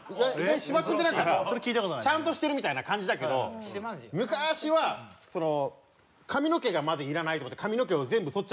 芝君ってなんかちゃんとしてるみたいな感じだけど昔は髪の毛がまずいらないと思って。